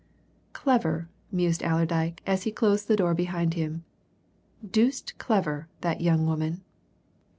"Clever!" mused Allerdyke as he closed the door behind him. "Deuced clever, that young woman.